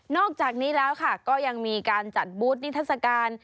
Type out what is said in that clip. อกจากนี้แล้วค่ะก็ยังมีการจัดบูธนิทัศกาล